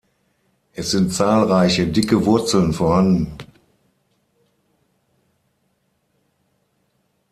Es sind zahlreiche, dicke Wurzeln vorhanden.